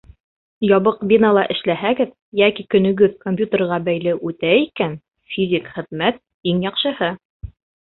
Ябыҡ бинала эшләһәгеҙ йәки көнөгөҙ компьютерға бәйле үтә икән, физик хеҙмәт — иң яҡшыһы.